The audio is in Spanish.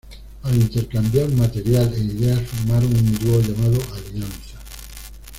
Al intercambiar material e ideas formaron un dúo llamado Alianza.